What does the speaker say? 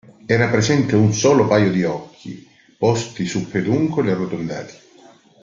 Era presente un solo paio di occhi, posti su peduncoli arrotondati.